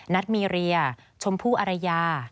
นัทมีเรียชมพู่อรยา